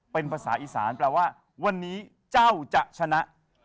เป็นภาษาอีสานแปลว่าวันนี้เจ้าจะชนะ